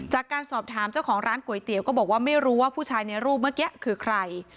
จากการสอบถามเจ้าของร้านก๋วยเตี๋ยวก็บอกว่าไม่รู้ว่าผู้ชายในรูปเมื่อกี้คือใคร